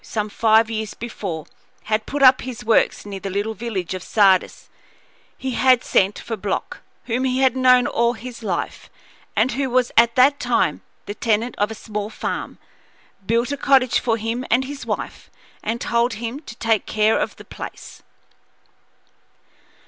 But when Roland Clewe, some five years before, had put up his works near the little village of Sardis, he had sent for Block, whom he had known all his life and who was at that time the tenant of a small farm, built a cottage for him and his wife, and told him to take care of the place.